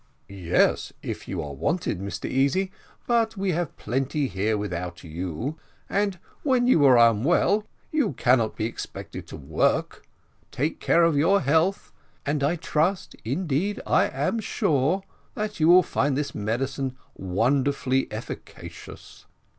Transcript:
"Yes, if you are wanted, Mr Easy; but we have plenty here without you; and when you are unwell you cannot be expected to work. Take care of your health; and I trust, indeed I am sure, that you will find this medicine wonderfully efficacious."